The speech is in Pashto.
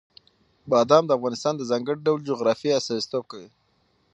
بادام د افغانستان د ځانګړي ډول جغرافیه استازیتوب کوي.